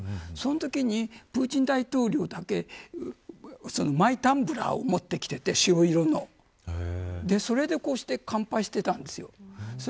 そのときにプーチン大統領だけマイタンブラーを持ってきていて白色のそれで乾杯していたんです。